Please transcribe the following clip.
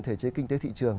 thể chế kinh tế thị trường